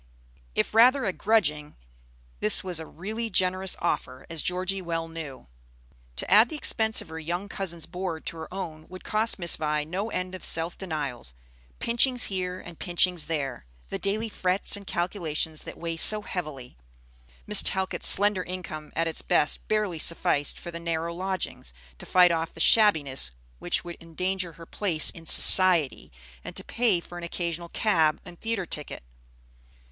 If rather a grudging, this was a really generous offer, as Georgie well knew. To add the expense of her young cousin's board to her own would cost Miss Vi no end of self denials, pinchings here and pinchings there, the daily frets and calculations that weigh so heavily. Miss Talcott's slender income at its best barely sufficed for the narrow lodgings, to fight off the shabbiness which would endanger her place in "society," and to pay for an occasional cab and theatre ticket.